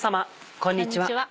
こんにちは。